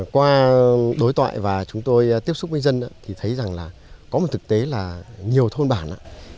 qua đối thoại và chúng tôi tiếp xúc với dân thì thấy rằng là có một thực tế là nhiều thôn bản